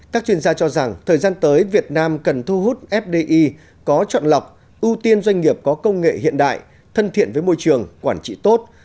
các chuyên gia cho rằng thời gian tới việt nam cần thu hút fdi có chọn lọc ưu tiên doanh nghiệp có công nghệ hiện đại thân thiện với môi trường quản trị tốt